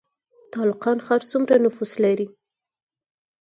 تالقان ښار څومره نفوس لري؟